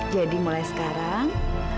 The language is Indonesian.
jadi mulai sekarang